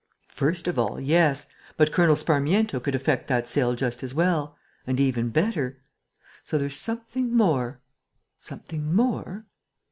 "First of all, yes. But Colonel Sparmiento could effect that sale just as well. And even better. So there's something more." "Something more?"